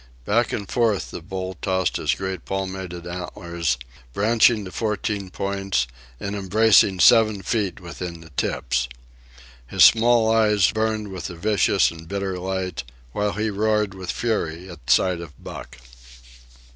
Back and forth the bull tossed his great palmated antlers, branching to fourteen points and embracing seven feet within the tips. His small eyes burned with a vicious and bitter light, while he roared with fury at sight of Buck.